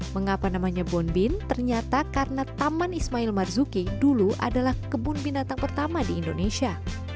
mengapa namanya bonbin ternyata karena taman ismail marzuki dulu adalah kebun binatang pertama di indonesia